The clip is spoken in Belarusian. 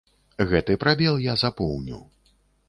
Гэты прабел я запоўню.